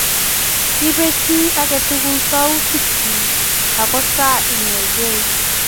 ipey chi age tugul sautik chik ako sa inegei